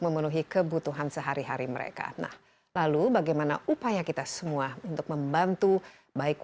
memenuhi kebutuhan sehari hari mereka nah lalu bagaimana upaya kita semua untuk membantu baik